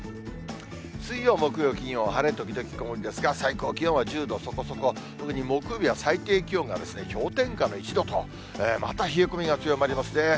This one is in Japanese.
水曜、木曜、金曜、晴れ時々曇りですが、最高気温は１０度そこそこ、特に木曜日は最低気温が氷点下の１度と、また冷え込みが強まりますね。